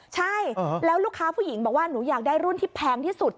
ใช่แล้วลูกค้าผู้หญิงบอกว่าหนูอยากได้รุ่นที่แพงที่สุด